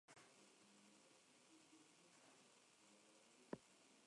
Su posesión ha creado fricciones entre el gobierno mexicano y el austriaco.